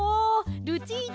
ルチータ